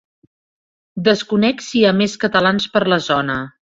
Desconec si hi ha més catalans per la zona.